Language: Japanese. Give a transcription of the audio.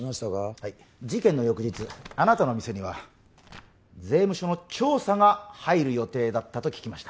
はい事件の翌日あなたの店には税務署の調査が入る予定だったと聞きました